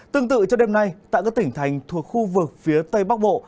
tương tự cho đêm nay tại các tỉnh thành thuộc khu vực phía tây bắc bộ